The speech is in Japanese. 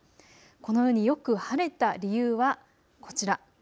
このようによく晴れた理由はこちら。